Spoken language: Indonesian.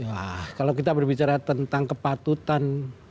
wah kalau kita berbicara tentang kepatutan